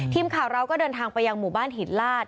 ทีมข่าวเราก็เดินทางไปยังหมู่บ้านหินลาด